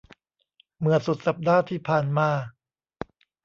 เมื่อสุดสัปดาห์ที่ผ่านมา